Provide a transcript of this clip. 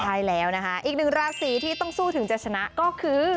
ใช่แล้วนะคะอีกหนึ่งราศีที่ต้องสู้ถึงจะชนะก็คือ